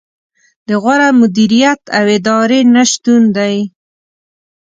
د غوره مدیریت او ادارې نه شتون دی.